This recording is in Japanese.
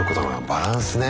バランスね。